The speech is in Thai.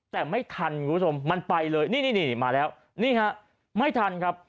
แต่ไม่ทันคุณผู้ชมมันไปเลยนี่นี่มาแล้วนี่ฮะไม่ทันครับ